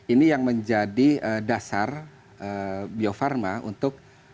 ini yang menjadi dasar bio farma untuk memiliki kompetensi